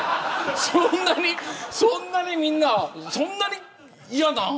そんなにみんなそんなに嫌なん。